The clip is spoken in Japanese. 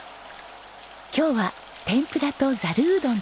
今日は天ぷらとざるうどんです。